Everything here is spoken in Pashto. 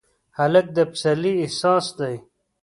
هلک د پسرلي احساس دی.